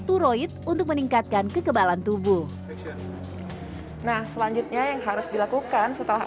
steroid untuk meningkatkan kekebalan tubuh nah selanjutnya yang harus dilakukan setelah